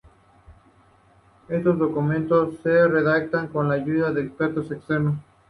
Estos documentos se redactan con la ayuda de expertos externos.